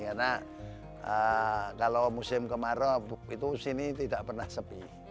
karena kalau musim kemarau itu sini tidak pernah sepi